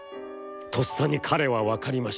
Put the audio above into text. とっさに彼は分りました。